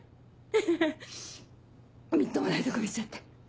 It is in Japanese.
ヘヘヘみっともないとこ見せちゃって。